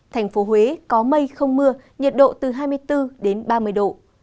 thành phố huế có mây không mưa nhiệt độ từ hai mươi bốn đến ba mươi độ